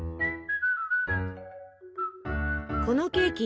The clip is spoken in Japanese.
このケーキ